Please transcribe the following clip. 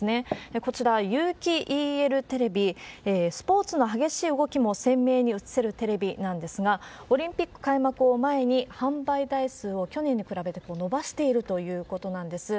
こちら、有機ＥＬテレビ、スポーツの激しい動きも鮮明に映せるテレビなんですが、オリンピック開幕を前に、販売台数を、去年に比べて伸ばしているということなんです。